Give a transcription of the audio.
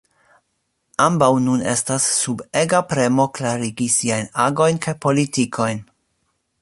Ambaŭ nun estas sub ega premo klarigi siajn agojn kaj politikojn.